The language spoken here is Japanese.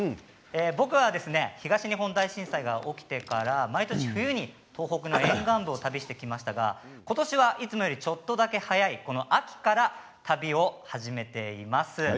僕は東日本大震災が起きてから毎年、冬に東北の沿岸部を旅してきましたが今年はいつもよりちょっとだけ早い秋から旅を始めています。